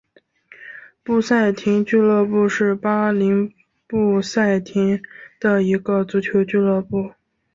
布赛廷俱乐部是巴林布赛廷的一个足球俱乐部。